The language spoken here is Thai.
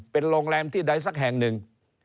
เป็นโรงแรมที่ใดสักแห่งหนึ่ง